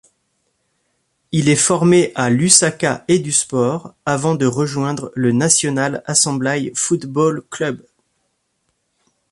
Il est formé à Lusaka Edusport avant de rejoindre le National Assembly Football Club.